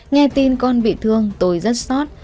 nghe tin con bị thương tôi rất xót